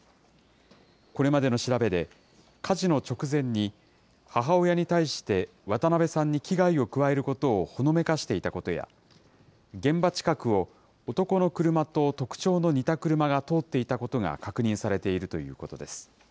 これまでの調べで、火事の直前に、母親に対して、渡邉さんに危害を加えることをほのめかしていたことや、現場近くを男の車と特徴の似た車が通っていたことが確認されているということです。